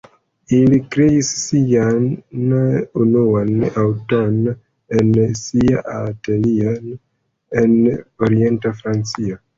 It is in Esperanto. Ili kreis sian unuan aŭton en sia ateliero en orienta Francio.